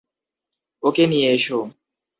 ওকে নিয়ে এসো।